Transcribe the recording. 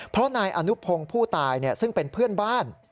เพราะนายอนุพงศ์ผู้ตายซึ่งเป็นเพื่อนบ้าน